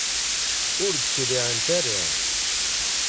ur d-cliɛent ara.